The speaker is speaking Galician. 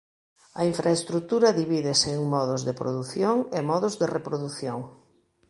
A infraestrutura divídese en modos de produción e modos de reprodución.